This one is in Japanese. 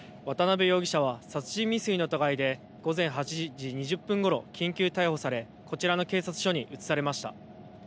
渡邊容疑者は殺人未遂の疑いで午前８時２０分ごろ緊急逮捕されこちらの警察署に移されました。